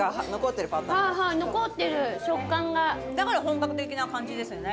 はいはい残ってる食感がだから本格的な感じですよね